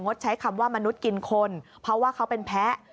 ดใช้คำว่ามนุษย์กินคนเพราะว่าเขาเป็นแพ้